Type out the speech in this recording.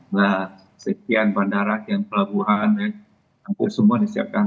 nah sekian bandara sekian pelabuhan semua disiapkan